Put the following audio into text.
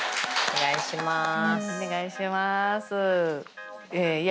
お願いします。